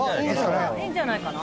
いいんじゃないかな。